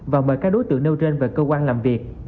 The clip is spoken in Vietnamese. và mời các đối tượng nêu trên về cơ quan làm việc